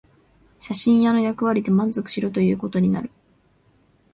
写真屋の役割で満足しろということになる